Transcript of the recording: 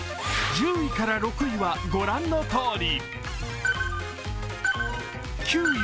１０位から６位は御覧のとおり。